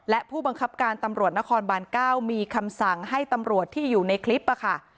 และผู้บังคับการตำรวจนครบาน๙มีคำสั่งให้ตำรวจที่อยู่ในคลิปค่ะ